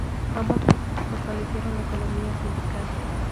Ambas leyes fortalecieron la economía sindical.